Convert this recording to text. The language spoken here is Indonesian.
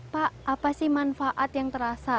pak apa sih manfaat yang terasa